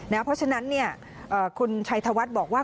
เพราะฉะนั้นคุณชัยธวัฒน์บอกว่า